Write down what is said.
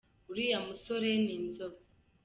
Uriya musore ni inzobe.